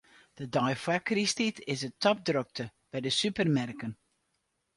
De dei foar krysttiid is it topdrokte by de supermerken.